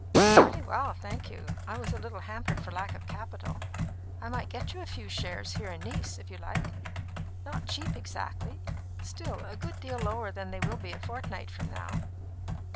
"Pretty well, thank you. I was a little hampered for lack of capital. I might get you a few shares here in Nice, if you like; not cheap, exactly still, a good deal lower than they will be a fortnight from now."